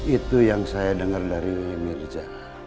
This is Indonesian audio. itu yang saya dengar dari merca